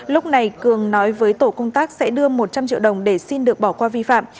lúc này cường nói với tổ công tác sẽ đưa một trăm linh triệu đồng để xin được bỏ qua vi phạm